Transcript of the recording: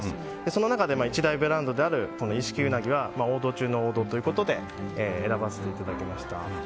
その中で一大ブランドである一色うなぎは王道中の王道ということで選ばせていただきました。